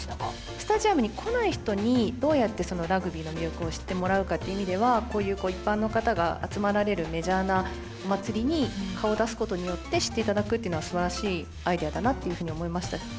スタジアムに来ない人にどうやってラグビーの魅力を知ってもらうかっていう意味ではこういう一般の方が集まられるメジャーなお祭りに顔出すことによって知って頂くっていうのはすばらしいアイデアだなっていうふうに思いました。